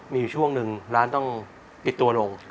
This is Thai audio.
มีอยู่ช่วงหนึ่งร้านต้องปิดตัวลง